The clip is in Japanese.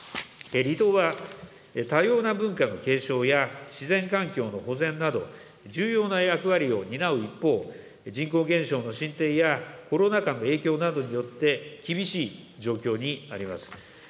離島は多様な文化の継承や、自然環境の保全など、重要な役割を担う一方、人口減少の進展や、コロナ禍の影響などによって、厳しい状況にあります。